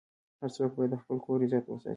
هر څوک باید د خپل کور عزت وساتي.